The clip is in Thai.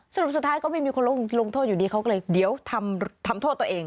สรุปสุดท้ายก็ไม่มีคนลงโทษอยู่ดีเขาก็เลยเดี๋ยวทำโทษตัวเอง